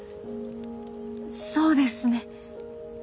そうですね